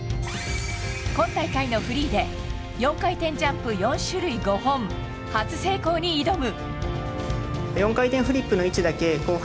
今大会のフリーで４回転ジャンプ４種類５本初成功に挑む。